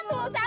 ya ampun oma